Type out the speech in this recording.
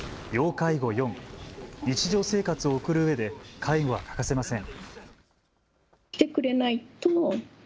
日常生活を送るうえで介護は欠かせません。